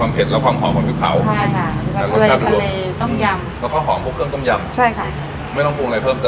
อื้อหือกลิ่นน้ำพริกเผาน้ำพริกเผานี่แรงมากเลยหอม